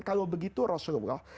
kalau begitu rasulullah